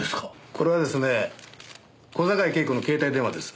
これはですね小坂井恵子の携帯電話です。